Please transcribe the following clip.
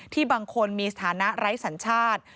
บางคนมีสถานะไร้สัญชาติ